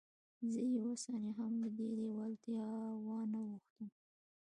زه یوه ثانیه هم له دې لېوالتیا وانه وښتم